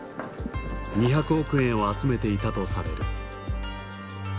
２００億円を集めていたとされる。